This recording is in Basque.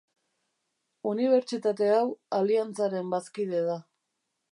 Unibertsitate hau aliantzaren bazkide da.